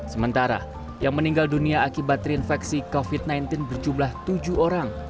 sementara yang meninggal dunia akibat terinfeksi covid sembilan belas berjumlah tujuh orang